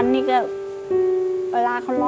มปราภัย